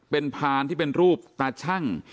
เป็นพานที่เป็นรูปตาชั่ง